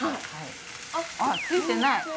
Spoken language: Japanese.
あっついてない。